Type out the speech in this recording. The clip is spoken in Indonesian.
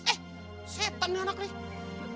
eh setan nih anak lo